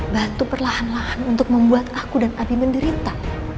bantu perlahan lahan untuk membuat aku dan abi menderita